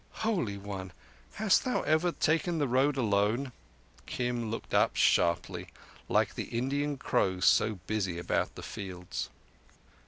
"Holy One, hast thou ever taken the Road alone?" Kim looked up sharply, like the Indian crows so busy about the fields.